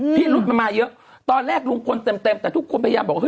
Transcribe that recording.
รุธมันมาเยอะตอนแรกลุงพลเต็มแต่ทุกคนพยายามบอกว่าเฮ